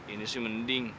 ini sih mending